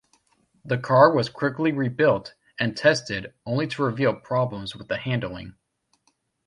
The car was quickly rebuilt and tested, only to reveal problems with the handling.